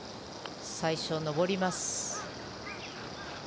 最初のぼります。